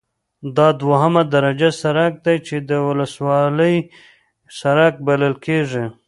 دا دوهمه درجه سرک دی چې د ولسوالۍ سرک بلل کیږي